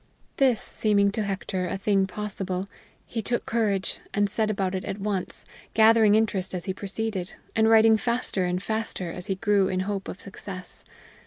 This seeming to Hector a thing possible, he took courage, and set about it at once, gathering interest as he proceeded, and writing faster and faster as he grew in hope of success.